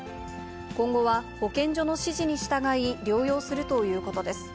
今後は保健所の指示に従い、療養するということです。